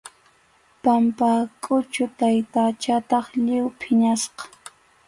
Pampakʼuchu taytachataq lliw phiñasqa.